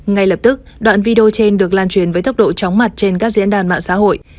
ngay lập tức đoạn video trên được lan truyền với tốc độ chóng mặt trên các diễn đàn mạng xã hội